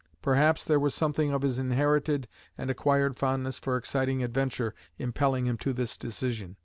Perhaps there was something of his inherited and acquired fondness for exciting adventure impelling him to this decision.